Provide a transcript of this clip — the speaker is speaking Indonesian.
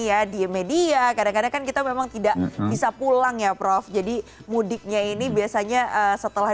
ya di media kadang kadang kan kita memang tidak bisa pulang ya prof jadi mudiknya ini biasanya setelah